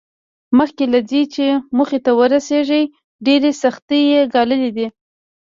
مخکې له دې چې موخې ته ورسېږي ډېرې سختۍ یې ګاللې دي